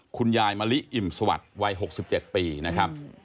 คุณยายมะลิอิ่มสวัสดิ์วัย๖๗ปีนะครับ